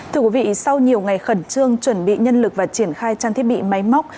thưa quý vị sau nhiều ngày khẩn trương chuẩn bị nhân lực và triển khai trang thiết bị máy móc